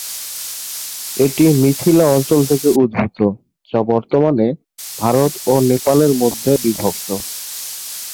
এটি মিথিলা অঞ্চল থেকে উদ্ভূত, যা বর্তমানে ভারত ও নেপালের মধ্যে বিভক্ত।